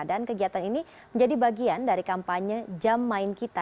dan kegiatan ini menjadi bagian dari kampanye jam main kita